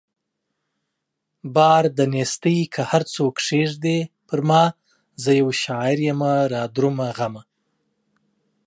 بار د نيستۍ که هر څو کښېږدې پرما زه يو شاعر يمه رادرومه غمه